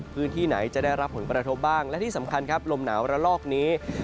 พื้นที่ไหนจะได้รับผลกระทบบ้างและที่สำคัญครับลมหนาวระลอกนี้